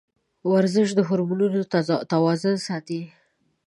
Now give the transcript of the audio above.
ورزش د هورمونونو توازن ساتي.